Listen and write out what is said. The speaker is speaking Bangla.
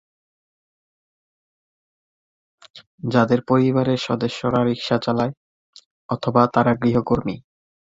যাদের পরিবারের সদস্যরা রিকশা চালায় অথবা তারা গৃহকর্মী।